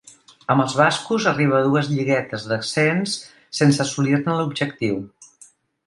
Amb els bascos arriba a dues lliguetes d'ascens, sense assolir-ne l'objectiu.